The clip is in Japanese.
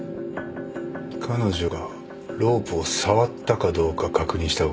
彼女がロープを触ったかどうか確認した方がいい。